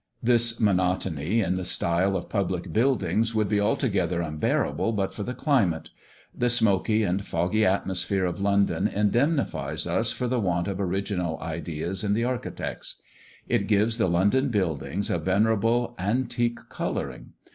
This monotony in the style of public buildings would be altogether unbearable, but for the climate. The smoky and foggy atmosphere of London indemnifies us for the want of original ideas in the architects. It gives the London buildings a venerable, antique colouring.